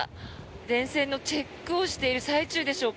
電線のチェックをしている最中でしょうか。